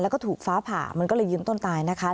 แล้วก็ถูกฟ้าผ่ามันก็เลยยืนต้นตายนะคะ